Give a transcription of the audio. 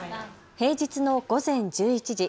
平日の午前１１時。